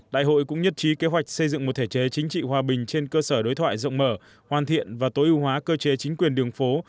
đại hội cũng nhất trí kế hoạch xây dựng một thể chế chính trị hòa bình trên cơ sở đối thoại rộng mở hoàn thiện và tối ưu hóa cơ chế chính quyền đường phố